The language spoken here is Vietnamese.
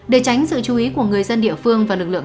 để tránh sự chú ý của người dân địa phương và lực lượng chức năng